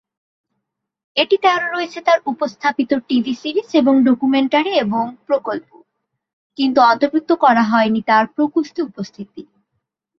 এটিতে আরো রয়েছে তার উপস্থাপিত টিভি সিরিজ এবং ডকুমেন্টারি এবং প্রকল্প; কিন্তু অন্তর্ভুক্ত করা হয়নি তার প্রো-কুস্তি উপস্থিতি।